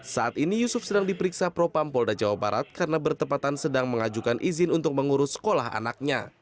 saat ini yusuf sedang diperiksa propam polda jawa barat karena bertepatan sedang mengajukan izin untuk mengurus sekolah anaknya